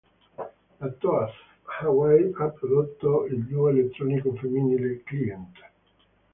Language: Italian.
La toast Hawaii ha prodotto il duo elettronico femminile "Client".